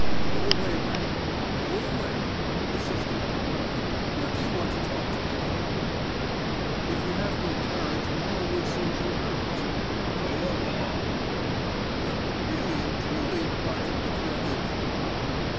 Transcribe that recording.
'Go away, my lad, go away,' persisted Harlov. 'What do you want to talk to me for?' 'If you have no carriage, mamma will send you hers.' 'Go along!' 'But, really and truly, Martin Petrovitch!